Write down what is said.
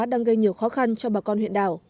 đang gây nhiều khó khăn cho bà con huyện đảo